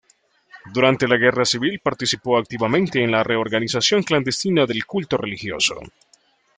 Durante la guerra civil participó activamente en la reorganización clandestina del culto religioso.